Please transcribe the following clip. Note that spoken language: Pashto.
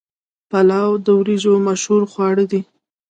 پلاو د وریجو مشهور خواړه دي.